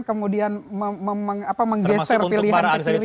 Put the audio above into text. kemudian menggeser pilihan ke kiri dan ke kanan